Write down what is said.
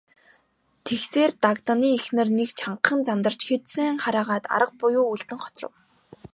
Тэгсээр, Дагданы эхнэр нэг чангахан зандарч хэд сайн хараагаад арга буюу үлдэн хоцров.